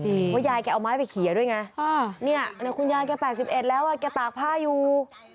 เพราะยายแกเอาไม้ไปเขียนด้วยไงคุณยายแก๘๑แล้วแกตากผ้าอยู่